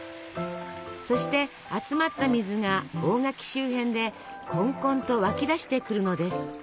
そして集まった水が大垣周辺でこんこんと湧き出してくるのです。